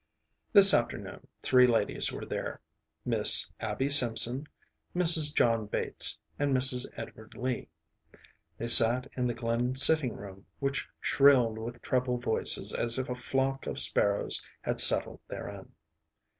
This afternoon three ladies were there: Miss Abby Simson, Mrs. John Bates, and Mrs. Edward Lee. They sat in the Glynn sitting room, which shrilled with treble voices as if a flock of sparrows had settled therein.